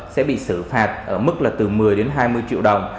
sẽ bị xử phạt ở mức là từ một mươi đến hai mươi triệu đồng